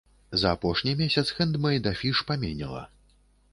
За апошні месяц хэндмэйд-афіш паменела.